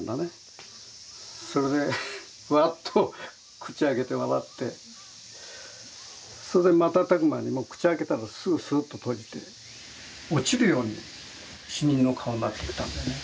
それでワッと口を開けて笑ってそれで瞬く間にもう口開けたらすぐスッと閉じて落ちるように死人の顔になってったんだよね。